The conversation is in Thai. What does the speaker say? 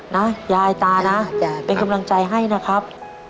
ยายตานะเป็นกำลังใจให้นะครับ